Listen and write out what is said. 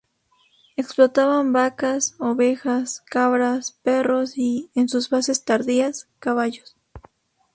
Explotaban vacas, ovejas, cabras, perros y, en sus fases tardías, caballos.